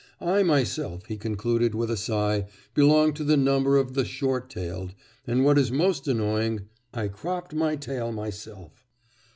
'I myself,' he concluded with a sigh, 'belong to the number of the short tailed, and what is most annoying, I cropped my tail myself.